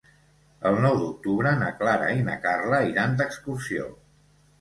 El nou d'octubre na Clara i na Carla iran d'excursió.